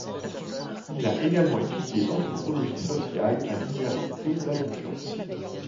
Il a également étudié l'anthropologie sociale à l'université d'Abidjan.